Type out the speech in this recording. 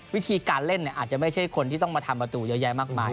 วิธีการเล่นอาจจะไม่ใช่คนที่ต้องมาทำประตูเยอะแยะมากมาย